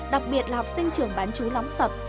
đặc biệt là học sinh trường bán chú lóng sập